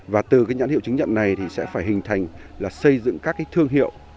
và từ nhãn hiệu chứng nhận này sẽ phải hình thành xây dựng các thương hiệu